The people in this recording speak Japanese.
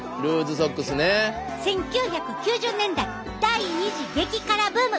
１９９０年代第２次激辛ブーム！